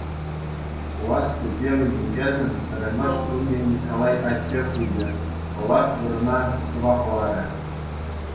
Пулас чиркӗвӗн никӗсӗн пӗрремӗш чулне Николай атте хучӗ, вӑлах вырӑна сӑвапларӗ.